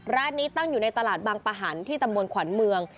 ร้านนี้ตั้งอยู่ในตลาดบางปะหันที่ตำบลขวัญเมือง